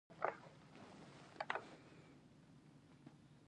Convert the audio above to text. آیا پښتو یوه علمي ژبه نه ده؟